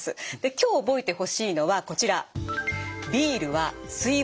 今日覚えてほしいのはこちら。